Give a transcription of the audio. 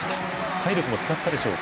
体力も使ったでしょうか